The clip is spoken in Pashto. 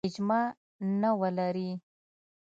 اجماع نه ولري.